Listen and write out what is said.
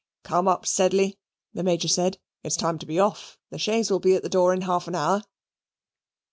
"Come, up! Sedley," the Major said, "it's time to be off; the chaise will be at the door in half an hour."